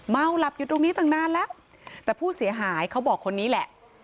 หลับอยู่ตรงนี้ตั้งนานแล้วแต่ผู้เสียหายเขาบอกคนนี้แหละ